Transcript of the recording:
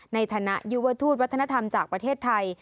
ในฐานะยุวทูตวัฒนธรรมจากประเทศไทย